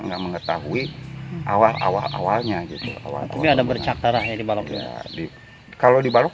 enggak mengetahui awal awal awalnya gitu awal awalnya bercara hari baru lagi kalau dibalok